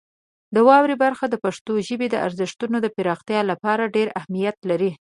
د واورئ برخه د پښتو ژبې د ارزښتونو د پراختیا لپاره ډېر اهمیت لري.